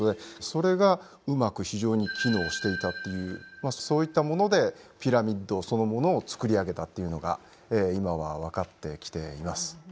それがうまく非常に機能していたというそういったものでピラミッドそのものを造り上げたというのが今は分かってきています。